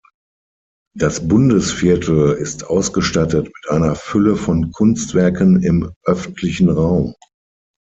Das Bundesviertel ist ausgestattet mit einer Fülle von Kunstwerken im öffentlichen Raum.